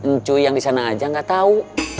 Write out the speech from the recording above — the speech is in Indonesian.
ncu yang di sana aja gak tahu